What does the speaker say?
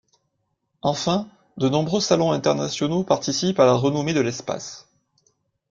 Enfin, de nombreux salons internationaux participent à la renommée de l’espace.